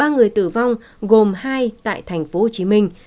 ba người tử vong gồm hai tại tp hcm